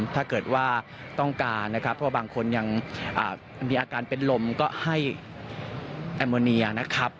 ถ้าเกิดว่าต้องการนะครับเพราะบางคนยังมีอาการเป็นลมก็ให้แอมโมเนียนะครับ